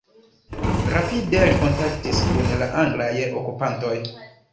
Rapide li kontaktis kun la anglaj okupantoj.